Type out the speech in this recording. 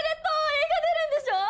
映画出るんでしょ？